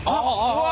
うわ！